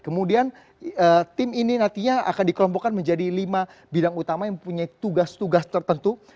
kemudian tim ini nantinya akan dikelompokkan menjadi lima bidang utama yang punya tugas tugas tertentu